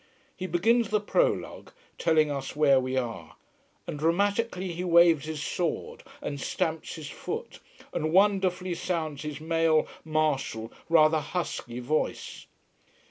He begins the prologue, telling us where we are. And dramatically he waves his sword and stamps his foot, and wonderfully sounds his male, martial, rather husky voice.